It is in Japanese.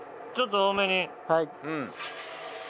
ちょっと多めに。